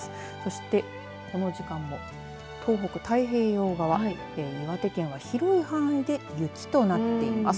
そして、この時間も東北、太平洋側岩手県は広い範囲で雪となっています。